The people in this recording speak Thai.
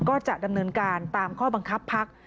ก็จะดำเนินการตามข้อบังคับพัก